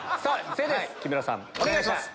木村さんお願いします。